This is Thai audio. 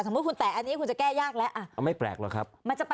คุณแตะอันนี้คุณจะแก้ยากแล้วอ่ะไม่แปลกหรอกครับ